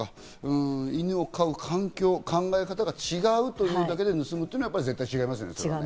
犬を飼う環境、考え方が違うというだけで盗むというのは絶対違いますよね。